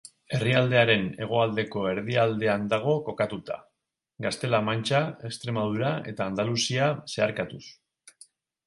Herrialdearen hegoaldeko erdialdean dago kokatuta, Gaztela-Mantxa, Extremadura eta Andaluzia zeharkatuz.